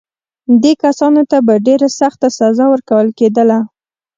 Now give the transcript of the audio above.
دې کسانو ته به ډېره سخته سزا ورکول کېدله.